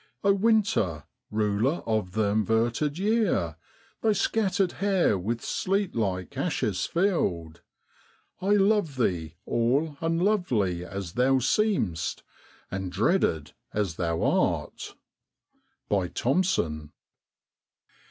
* Oh winter ! ruler of th' inverted year, Thy scattered hair with sleet like ashes filler! I love thee, all unlovely as thou seem'st, And dreaded as thou art.' Thomson.